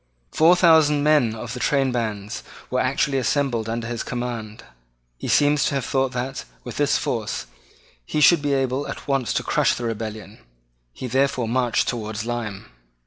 Four thousand men of the trainbands were actually assembled under his command. He seems to have thought that, with this force, he should be able at once to crush the rebellion. He therefore marched towards Lyme.